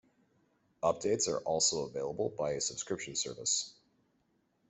Updates are also available by a subscription service.